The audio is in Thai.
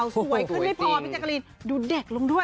สวยขึ้นไม่พอพี่แจ๊กรีนดูเด็กลงด้วย